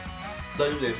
大丈夫です。